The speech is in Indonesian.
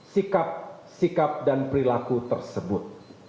sikap sikap dan perilaku tersebut